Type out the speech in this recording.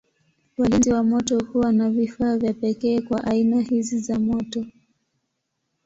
Walinzi wa moto huwa na vifaa vya pekee kwa aina hizi za moto.